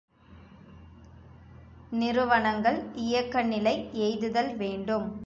நிறுவனங்கள், இயக்கநிலை எய்துதல் வேண்டும்.